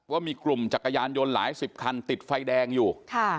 ว่ามีกลุ่มจักรยานยนต์หลายสิบคันติดไฟแดงอยู่